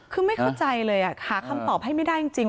คือไม่เข้าใจเลยหาคำตอบให้ไม่ได้จริง